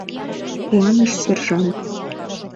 — куаныш сержант.